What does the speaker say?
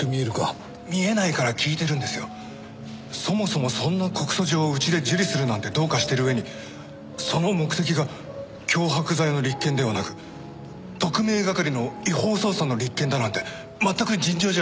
そもそもそんな告訴状をうちで受理するなんてどうかしてる上にその目的が脅迫罪の立件ではなく特命係の違法捜査の立件だなんて全く尋常じゃありませんからね。